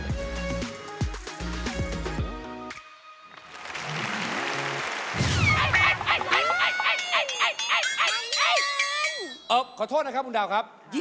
ขอโทษนะครับคุณดาวครับ